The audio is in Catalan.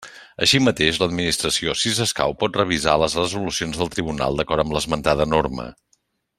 Així mateix, l'administració, si s'escau, pot revisar les resolucions del tribunal, d'acord amb l'esmentada norma.